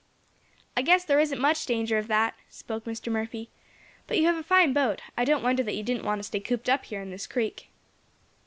"I guess there isn't much danger of that," spoke Mr. Murphy. "But you have a fine boat. I don't wonder that you didn't want to stay cooped up here in this creek."